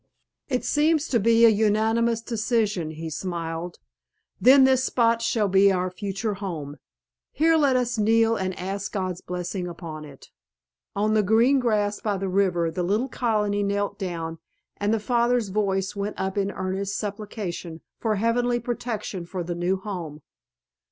"It seems to be a unanimous decision," he smiled. "Then this spot shall be our future home. Here let us kneel and ask God's blessing upon it." On the green grass by the river the little colony knelt down, and the father's voice went up in earnest supplication for heavenly protection for the new home.